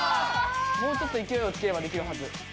もうちょっと勢いをつければできるはず。